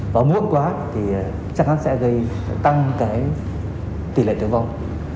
và muộn quá thì chắc chắn sẽ gây tăng cái tỷ lệ tử vong